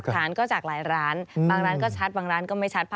แต่ว่าเวย์ขโมยของคนอื่น